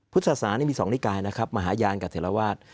พุทธศาสนานี้มีสองนิกายนะครับมหาญาณกับเถลวาส